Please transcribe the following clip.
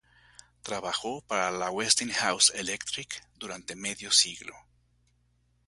Trabajó para la Westinghouse Electric durante medio siglo.